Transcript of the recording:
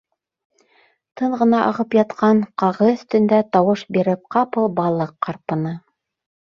Тын ғына ағып ятҡан Ҡағы өҫтөндә тауыш биреп ҡапыл балыҡ ҡарпыны.